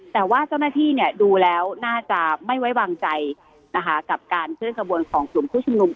แต่ว่าเจ้าหน้าที่ดูแล้วน่าจะไม่ไว้วางใจนะคะกับการเคลื่อนขบวนของกลุ่มผู้ชุมนุม